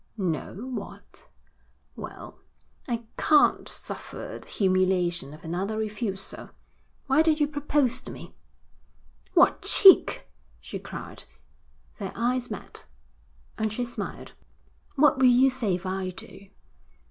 'No, what?' 'Well, I can't suffer the humiliation of another refusal. Why don't you propose to me?' 'What cheek!' she cried. Their eyes met, and she smiled. 'What will you say if I do?'